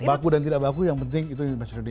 baku dan tidak baku yang penting itu indonesia